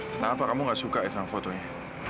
kenapa kamu gak suka ya sama fotonya